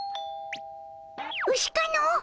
ウシかの？